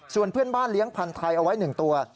ส่วนเพื่อนบ้านเลี้ยงพันธุ์ไทยเอาไว้๑ตัว